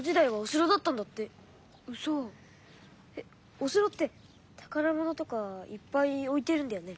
お城ってたからものとかいっぱいおいてるんだよね。